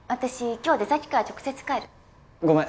今日出先から直接帰るごめん